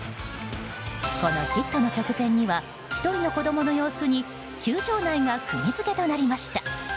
このヒットの直前には１人の子供の様子に球場内が釘付けとなりました。